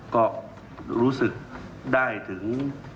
ก็รู้สึกได้ถึง